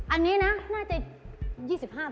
อันนี้นะน่าจะรายละ๒๕บาท